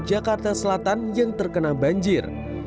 jakarta selatan yang terkena banjir